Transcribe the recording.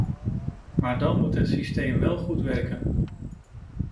Maar dan moet het systeem wel goed werken.